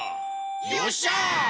よっしゃ！